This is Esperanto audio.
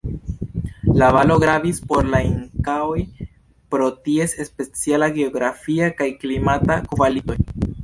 La valo gravis por la Inkaoj pro ties speciala geografia kaj klimata kvalitoj.